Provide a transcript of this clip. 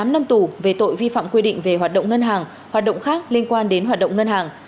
tám năm tù về tội vi phạm quy định về hoạt động ngân hàng hoạt động khác liên quan đến hoạt động ngân hàng